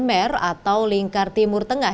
mer atau lingkar timur tengah